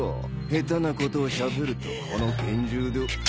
下手なことをしゃべるとこの拳銃で。